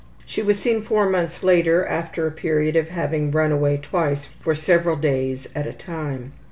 She was seen four months later, after a period of having run away twice for several days at a time.